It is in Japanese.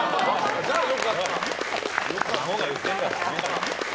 孫が言ってんだからね。